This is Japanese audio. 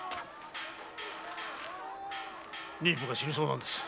妊婦が死にそうなんです。